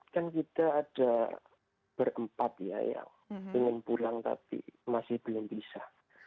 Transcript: kan kita ada berempat ya yang ingin pulang tapi masih belum bisa